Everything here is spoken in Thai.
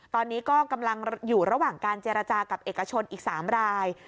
ตอนนี้ก็กำลังอยู่ระหว่างการเจรจากับเอกชนอีก๓ราย